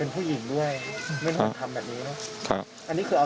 เป็นผู้หญิงด้วยไม่น่าทำแบบนี้นะ